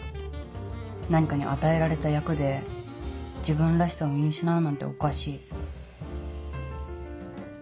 何かに与えられた役で自分らしさを見失うなんておかしい。